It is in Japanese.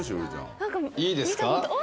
いいですか？